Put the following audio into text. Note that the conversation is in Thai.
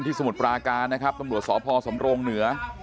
สมุทรปราการนะครับตำรวจสพสำรงเหนือ